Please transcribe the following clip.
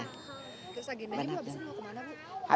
terus agenda ibu abis ini mau kemana bu